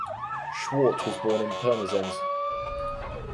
Schwartz was born in Pirmasens.